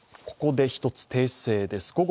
ここで１つ訂正です。